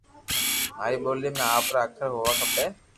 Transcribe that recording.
ماري ٻولي ۾ آپرا اکر ھووا کپي